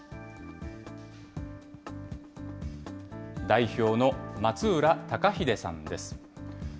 代表の松浦孝英さんです。